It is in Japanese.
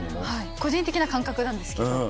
個人的な感覚なんですけど。